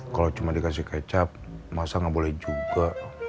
kalau cuma dikasih kecap masa gak boleh juga